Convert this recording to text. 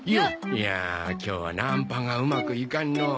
いや今日はナンパがうまくいかんのう。